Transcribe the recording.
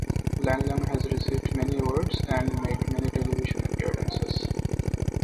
Lang Lang has received many awards and made many television appearances.